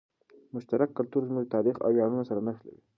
مشترک کلتور زموږ تاریخ او ویاړونه سره نښلوي.